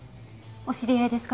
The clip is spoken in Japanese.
お知り合いですか？